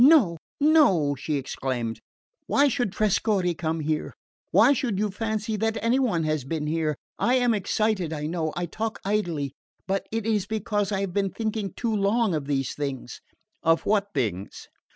"No, no," she exclaimed. "Why should Trescorre come here? Why should you fancy that any one has been here? I am excited, I know; I talk idly; but it is because I have been thinking too long of these things " "Of what things?"